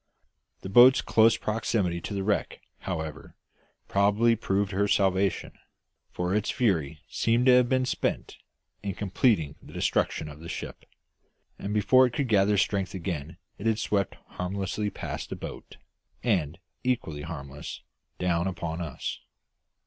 The boat's close proximity to the wreck, however, probably proved her salvation, for its fury seemed to have been spent in completing the destruction of the ship, and before it could gather strength again it had swept harmlessly past the boat and, equally harmlessly, down upon us.